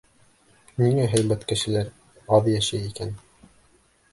Ниңә һәйбәт кешеләр аҙ йәшәй икән?